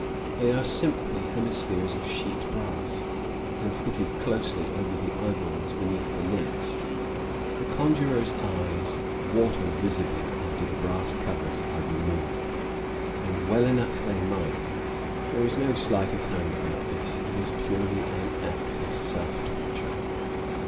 They are simply hemispheres of sheet brass, and fitted closely over the eyeballs, beneath the lids. The conjurer's eyes water visibly after the brass covers are removed; and well enough they might; there is no sleight of hand about this it is purely an act of self torture.